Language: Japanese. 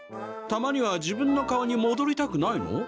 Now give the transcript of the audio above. たまには自分の顔にもどりたくないの？